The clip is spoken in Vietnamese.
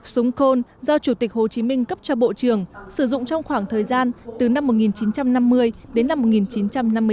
súng côn do chủ tịch hồ chí minh cấp cho bộ trưởng sử dụng trong khoảng thời gian từ năm một nghìn chín trăm năm mươi đến năm một nghìn chín trăm năm mươi tám